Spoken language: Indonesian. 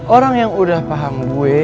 orang yang udah paham gue